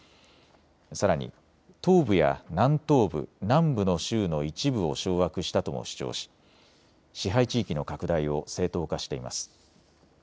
さらに東部や南東部、南部の州の一部を掌握したとも主張し支配地域の拡大を正当化しています。